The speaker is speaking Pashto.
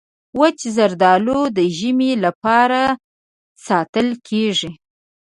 وچ زردالو د ژمي لپاره ساتل کېږي.